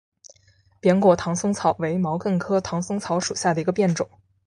扁果唐松草为毛茛科唐松草属下的一个变种。